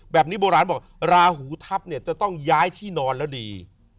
โบราณบอกราหูทัพเนี่ยจะต้องย้ายที่นอนแล้วดี